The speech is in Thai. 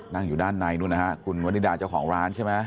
นั่งอยู่ด้านในนู่นนะฮะคุณวันนิดาเจ้าของร้านใช่ไหม